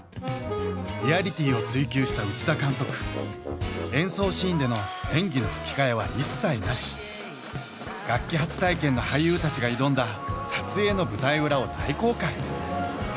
リアリティーを追求した内田監督演奏シーンでの演技の吹替は一切なし楽器初体験の俳優たちが挑んだ撮影の舞台裏を大公開